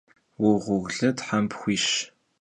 Vuğurlı them pxuiş!